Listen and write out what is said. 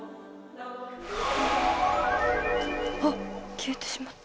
消えてしまった。